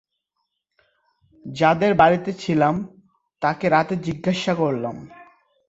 যাদের বাড়িতে ছিলাম, তাকে রাতে জিজ্ঞাসা করলাম